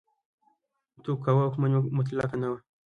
توکوګاوا واکمني مطلقه نه وه.